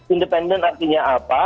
independen artinya apa